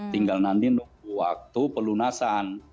tinggal nanti waktu pelunasan